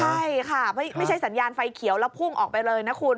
ใช่ค่ะไม่ใช่สัญญาณไฟเขียวแล้วพุ่งออกไปเลยนะคุณ